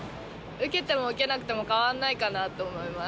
受けても受けなくても変わんないかなと思います。